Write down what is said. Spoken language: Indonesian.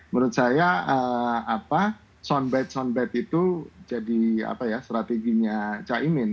menurut saya soundbite soundbite itu jadi strateginya caimin